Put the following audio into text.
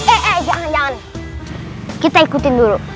eh jangan jangan kita ikutin dulu